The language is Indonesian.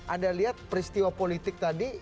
anda lihat peristiwa politik tadi